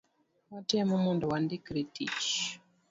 watemo mondo wandikre tich.